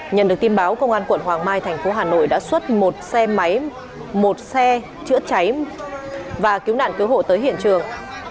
nhận được tin báo công an quận hoàng mai thành phố hà nội đã xuất một xe chữa cháy và cứu nạn cứu hộ tới hiện trường